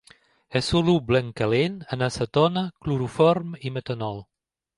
És soluble en calent en acetona, cloroform i metanol.